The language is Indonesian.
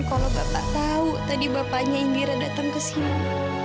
kalau bapak tahu tadi bapaknya indira datang ke sini